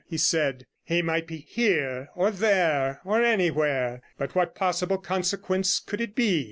he said. 'He might be here, or there, or anywhere; but what possible consequence could it be?